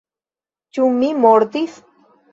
Ĉu mi mortis?